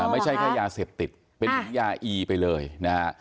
ไม่ใช่แค่ยาเสพติดเป็นเหมือนยาอีไปเลยนะฮะ